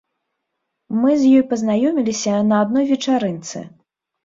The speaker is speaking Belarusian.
Мы з ёй пазнаёміліся на адной вечарынцы.